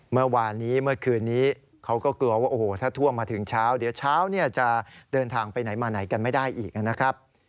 เมื่อวานนี้เมื่อคืนนี้เขาก็กลัวว่าโอ้โหถ้าท่วมมาถึงเช้าเดี๋ยวเช้าจะเดินทางไปไหนมาไหนกันไม่ได้อีกนะครับ